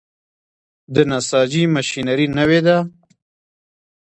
د نساجي ماشینري نوې ده؟